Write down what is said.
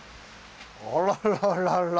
あらららら。